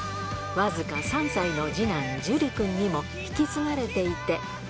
僅か３歳の次男、ジュリくんにも引き継がれていて。